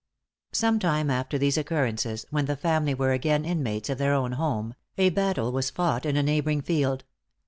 Some time after these occurrences, when the family were again inmates of their own home, a battle was fought in a neighboring field.